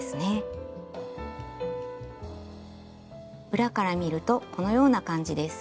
裏から見るとこのような感じです。